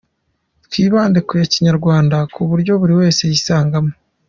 Twibande ku ya Kinyarwanda ku buryo buri wese yisangamo.